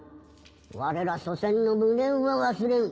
我ら祖先の無念は忘れぬ。